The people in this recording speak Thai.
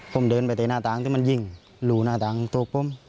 ผมเดินไปแต่หน้าต่างที่มันยิงรูหน้าต่างตัวผม